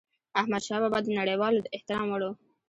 احمدشاه بابا د نړيوالو د احترام وړ و.